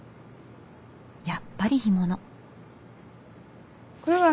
やっぱり干物。